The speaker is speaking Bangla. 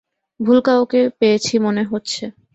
ভুল কাউকে পেয়েছি মনে হচ্ছে।